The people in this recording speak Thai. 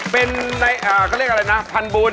เป็นเขาเรียกอะไรนะพันบุญ